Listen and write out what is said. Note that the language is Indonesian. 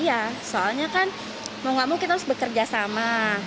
iya soalnya kan mau gak mau kita harus bekerja sama